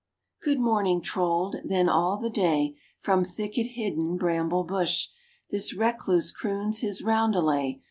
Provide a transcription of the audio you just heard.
Good morning trolled, then all the day, From thicket hidden bramble bush, This recluse croons his roundelay.